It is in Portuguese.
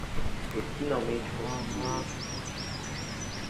Eu finalmente consegui hoje.